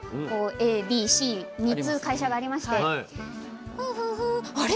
ＡＢＣ３つ会社がありまして「あれ？